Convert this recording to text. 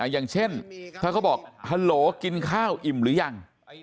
อย่างเช่นถ้าเขาบอกฮัลโหลกินข้าวอิ่มหรือยัง